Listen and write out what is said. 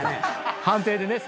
判定でね。